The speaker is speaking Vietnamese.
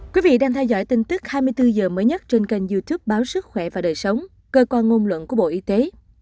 quý vị đang theo dõi tin tức hai mươi bốn h mới nhất trên kênh youtube báo sức khỏe và đời sống cơ quan ngôn luận của bộ y tế